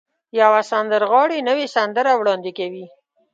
يوه سندرغاړې نوې سندرې وړاندې کوي.